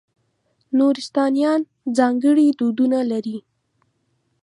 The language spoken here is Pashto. نورستانیان ځانګړي دودونه لري.